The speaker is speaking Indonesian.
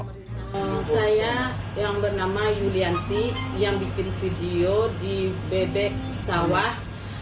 saya yang bernama yulianti yang bikin video di bebek sawah